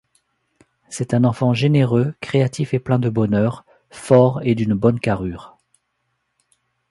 C'est un enfant généreux, créatif et plein de bonheur, fort et d'une bonne carrure.